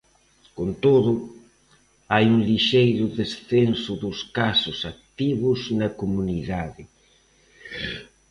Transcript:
Con todo, hai un lixeiro descenso dos casos activos na comunidade.